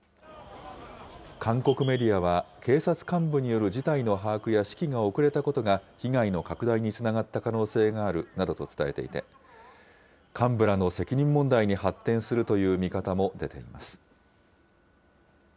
韓国メディアは、警察幹部による事態の把握や指揮が遅れたことが、被害の拡大につながった可能性があるなどと伝えていて、幹部らの責任問題に発展するという見方も出ています。